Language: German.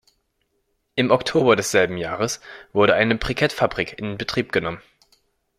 Im Oktober desselben Jahres wurde eine Brikettfabrik in Betrieb genommen.